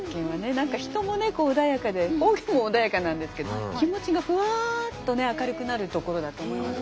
何か人もねこう穏やかで方言も穏やかなんですけど気持ちがフワッとね明るくなる所だと思います。